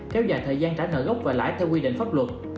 kéo dài thời gian trả nợ gốc và lãi theo quy định pháp luật